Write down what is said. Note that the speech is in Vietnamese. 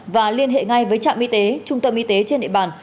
và liên hệ ngay với trạm y tế trung tâm y tế trên địa bàn